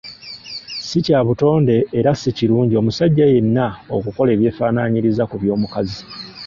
Si kya butonde era si kirungi omusajja yenna okukola ebyefaanaanyiriza ku by’omukazi.